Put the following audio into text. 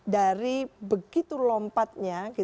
dari begitu lompatnya